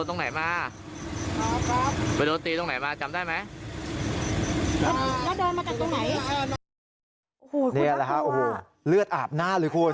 เนี่ยแหละครับเลือดอาบหน้าเลยคุณ